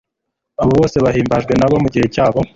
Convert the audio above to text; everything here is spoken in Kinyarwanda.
abo bose bahimbajwe n'abo mu gihe cyabo